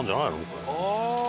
これ。